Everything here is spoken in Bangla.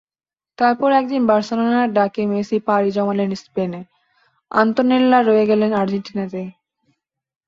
তারপর একদিন বার্সেলোনার ডাকে মেসি পাড়ি জমালেন স্পেনে, আন্তোনেল্লা রয়ে গেলেন আর্জেন্টিনাতেই।